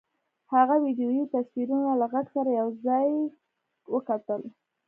هغه ویډیويي تصویرونه له غږ سره یو ځای وکتل